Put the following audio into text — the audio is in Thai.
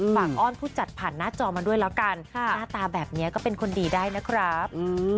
อ้อนผู้จัดผ่านหน้าจอมาด้วยแล้วกันหน้าตาแบบนี้ก็เป็นคนดีได้นะครับ